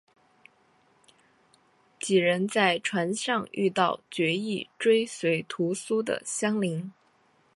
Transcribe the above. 几人在船上遇到决意追随屠苏的襄铃。